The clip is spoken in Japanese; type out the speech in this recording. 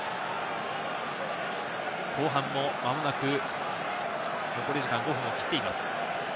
後半もまもなく残り時間５分を切っています。